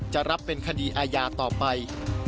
จะรับเป็นคดีอาญาต่อไป